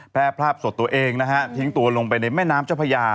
แพร่ภาพสดตัวเองนะฮะทิ้งตัวลงไปในแม่น้ำเจ้าพญา